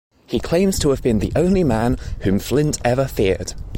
He claims to have been the only man whom Flint ever feared.